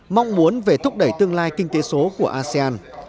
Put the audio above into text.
mong muốn về thúc đẩy tương lai kinh tế số của asean